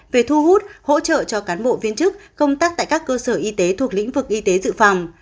về thu hút hỗ trợ cho cán bộ viên chức công tác tại các cơ sở y tế thuộc lĩnh vực y tế dự phòng